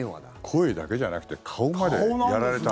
声だけじゃなくて顔までやられたら。